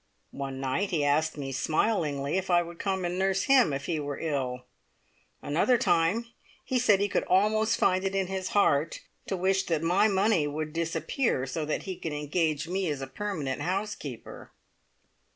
One night he asked me smilingly if I would come and nurse him if he were ill; another time he said he could almost find it in his heart to wish that my money would disappear, so that he could engage me as a permanent housekeeper.